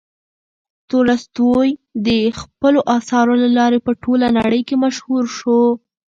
تولستوی د خپلو اثارو له لارې په ټوله نړۍ کې مشهور شو.